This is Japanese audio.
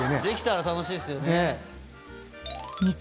できたら楽しいですよね。